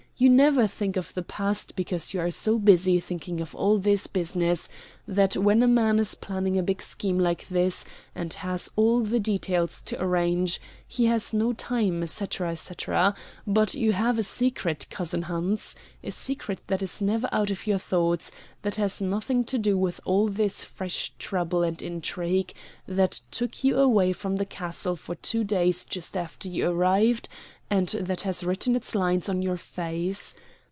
You never think of the past because you are so busy thinking of all this business; that when a man is planning a big scheme like this, and has all the details to arrange, he has no time, etc., etc. But you have a secret, cousin Hans a secret that is never out of your thoughts; that has nothing to do with all this fresh trouble and intrigue; that took you away from the castle for two days just after you arrived; and that has written its lines on your face.